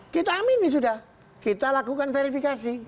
kita amini sudah kita lakukan verifikasi